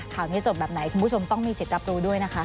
ข่าวนี้จบแบบไหนคุณผู้ชมต้องมีสิทธิ์รับรู้ด้วยนะคะ